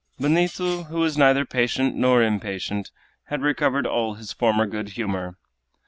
Benito, who was neither patient nor impatient, had recovered all his former good humor.